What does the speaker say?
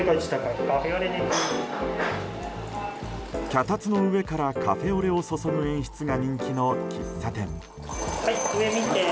脚立の上からカフェオレを注ぐ演出が人気の喫茶店。